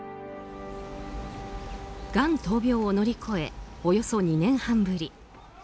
がん闘病を乗り越えおよそ２年半ぶり。